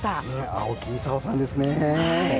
青木功さんですね。